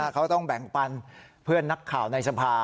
เขาต้องแบ่งปันเพื่อนนักข่าวในสภา